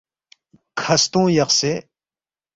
کھستونگ یقسے